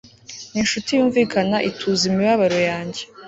ninshuti yunvikana ituza imibabaro yanjye